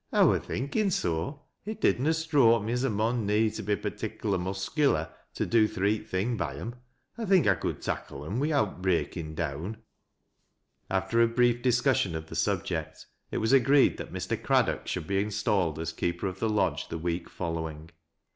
" I wur thinkin' so. It did na struiKe me as a mon need lO bo partic'lar muskylar to do th' reet thing by 'em. 1 think I could tackle 'em wi'out breakin' down." After a brief discussion of the subject, it was agreed that Mr. Craddock should be installed as keeper of the lodge the week following.